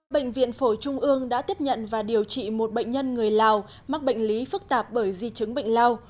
bệnh viện phổi trung ương đã tiếp nhận và điều trị một bệnh nhân người lào mắc bệnh lý phức tạp bởi di chứng bệnh lao